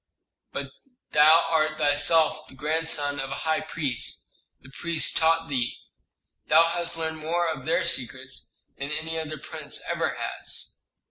"But thou art thyself the grandson of a high priest; the priests taught thee. Thou hast learned more of their secrets than any other prince ever has."